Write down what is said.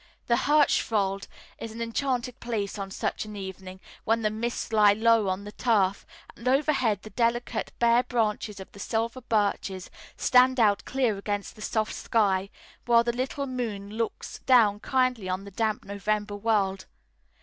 The Hirschwald is an enchanted place on such an evening, when the mists lie low on the turf, and overhead the delicate, bare branches of the silver birches stand out clear against the soft sky, while the little moon looks down kindly on the damp November world.